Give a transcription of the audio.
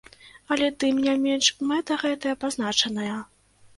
Але тым не менш мэта гэтая пазначаная.